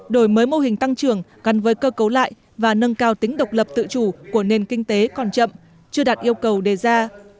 đổi mới mô hình tăng trưởng gắn với cơ cấu lại và nâng cao tính độc lập tự chủ của nền kinh tế còn chậm chưa đạt yêu cầu đề ra